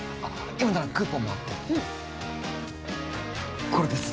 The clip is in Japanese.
今ならクーポンもあってこれです